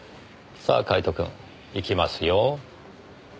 さあカイトくん行きますよ。